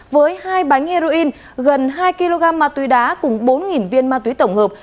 với hai bánh heroin gần hai kg ma túy đá cùng bốn viên ma túy tổng hợp